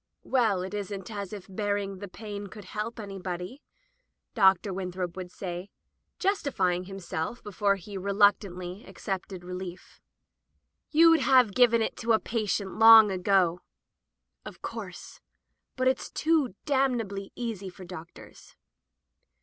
"Well, it isn't as if my bearing the pain could help anybody," Dr. Winthrop would say, justifying himself before he reluctantly accepted relief. "YouM have given it to a patient long ago.'' "Of course. But it's too damnably easy for doctors."